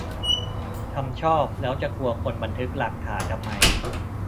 ทำชอบ แล้วจะกลัวคนบันทึกหลักฐานทำไม ?